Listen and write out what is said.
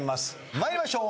参りましょう。